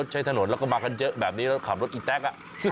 ใช้ถนนแล้วก็มากันเยอะแบบนี้แล้วขับรถอีแต๊ก